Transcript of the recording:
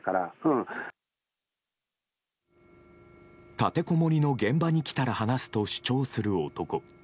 立てこもりの現場に来たら話すと主張する男。